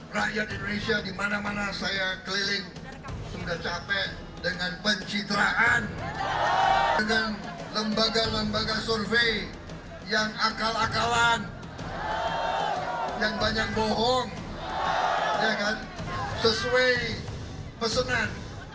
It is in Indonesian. rakyat indonesia dimana mana saya keliling sudah capek dengan pencitraan dengan lembaga lembaga survei yang akal akalan yang banyak bohong sesuai pesanan